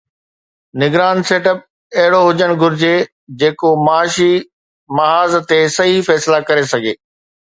نگران setup اهڙو هجڻ گهرجي جيڪو معاشي محاذ تي صحيح فيصلا ڪري سگهي.